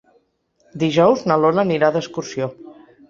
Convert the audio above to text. Dijous na Lola anirà d'excursió.